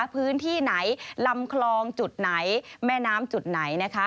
พื้นที่ไหนลำคลองจุดไหนแม่น้ำจุดไหนนะคะ